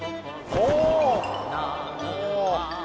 おお。